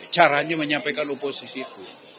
caranya menyampaikan oposisi itu